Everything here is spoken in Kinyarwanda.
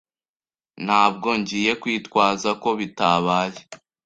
Ntabwo ngiye kwitwaza ko bitabaye.